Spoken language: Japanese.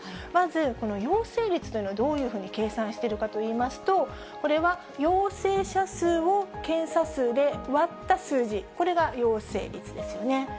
まずこの陽性率というのはどういうふうに計算しているかといいますと、これは陽性者数を検査数で割った数字、これが陽性率ですよね。